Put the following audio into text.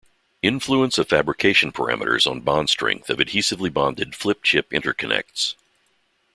Influence of fabrication parameters on bond strength of adhesively bonded flip-chip interconnects.